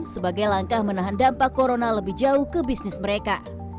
sebagai langkah menahan dampak corona lebih jauh ke bisnis mereka